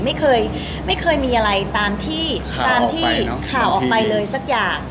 ไม่เคยมีอะไรตามที่ข่าวออกไปเลยสักอย่าง